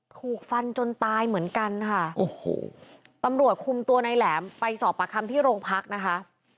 ถูกฟันจนตายเหมือนกันค่ะโอ้โหตำรวจคุมตัวในแหลมไปสอบประคำที่โรงพักนะคะ